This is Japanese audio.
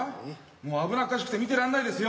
もう危なっかしくて見てらんないですよ。